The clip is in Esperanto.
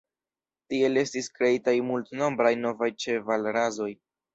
Tiel estis kreitaj multnombraj novaj ĉevalrasoj.